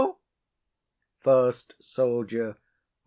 FIRST SOLDIER.